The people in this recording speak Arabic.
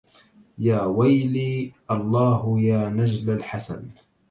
يا ولي الله يا نجل الحسن